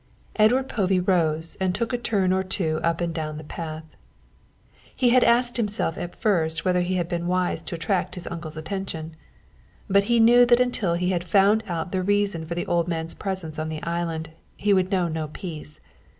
Edward Povey rose and took a turn or two up and down the path. He had asked himself at first whether he had been wise to attract his uncle's attention. But he well knew that until he had found out the reason of the old man's presence on the island, he would know no peace.